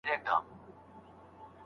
په ساینس کي شاګرد او استاد ګډه څېړنه کوي.